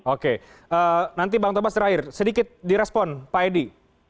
oke nanti bang thomas terakhir sedikit di respon pak edi